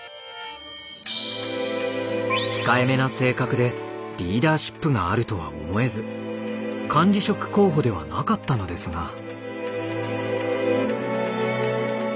控えめな性格でリーダーシップがあるとは思えず管理職候補ではなかったのですが。